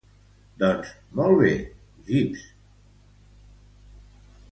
Doncs molt bé, Jeeves.